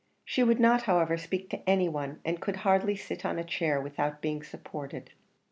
She would not, however, speak to any one, and could hardly sit on a chair without being supported.